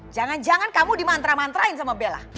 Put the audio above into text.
jangan jangan kamu dimantra mantrain sama bella